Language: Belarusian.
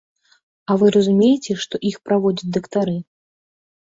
А вы разумееце, што іх праводзяць дактары.